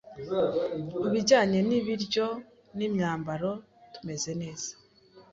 Kubijyanye n'ibiryo n'imyambaro, tumeze neza.